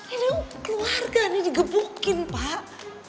ini keluarga ini digebukin pak